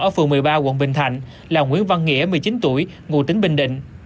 ở phường một mươi ba quận bình thạnh là nguyễn văn nghĩa một mươi chín tuổi ngụ tỉnh bình định